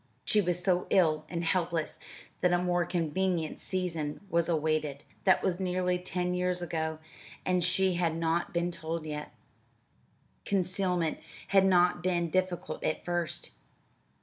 She was so ill and helpless that a more convenient season was awaited. That was nearly ten years ago and she had not been told yet. Concealment had not been difficult at first.